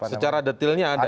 secara detailnya ada ya